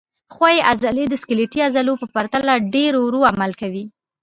ښویې عضلې د سکلیټي عضلو په پرتله ډېر ورو عمل کوي.